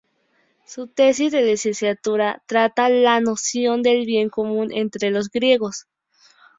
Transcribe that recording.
Su tesis de licenciatura trata la noción del bien común entre los griegos.